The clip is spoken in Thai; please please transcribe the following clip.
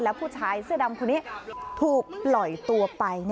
ผู้ชายเสื้อดำคนนี้ถูกปล่อยตัวไป